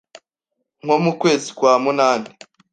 nko mu kwezi kwa munani